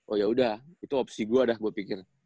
oh yaudah itu opsi gua dah gua pikir